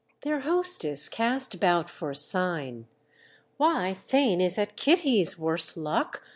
Their hostess cast about for a sign. "Why Theign is at Kitty's, worse luck!